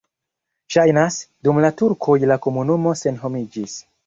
Ŝajnas, dum la turkoj la komunumo senhomiĝis.